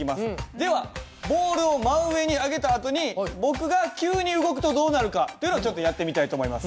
ではボールを真上に上げたあとに僕が急に動くとどうなるかというのをちょっとやってみたいと思います。